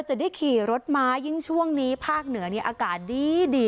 จะได้ขี่รถม้ายิ่งช่วงนี้ภาคเหนือนี่อากาศดี